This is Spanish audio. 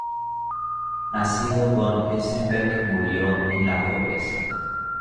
Nacido von Esenbeck murió en la pobreza.